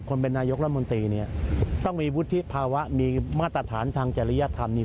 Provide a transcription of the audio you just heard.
คนเป็นนายกรัฐมนตรีเนี่ยต้องมีวุฒิภาวะมีมาตรฐานทางจริยธรรมนี่